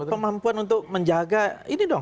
kemampuan untuk menjaga ini dong